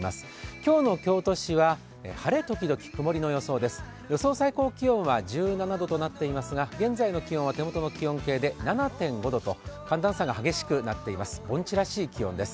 今日の京都市は晴れ時々曇りの予想です、予想最高気温は１７度となっていますが現在の気温は手元の気温計で７．５度と寒暖差が激しくなっています。